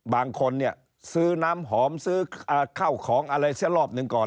บางคนเนี่ยซื้อน้ำหอมซื้อข้าวของอะไรสักรอบหนึ่งก่อน